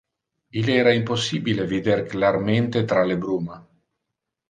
Il era impossibile vider clarmente tra le bruma.